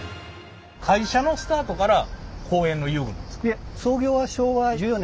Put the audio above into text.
会社のスタートから公園の遊具なんですか？